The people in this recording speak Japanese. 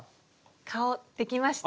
顔できました！